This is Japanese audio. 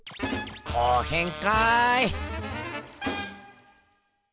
後編かい。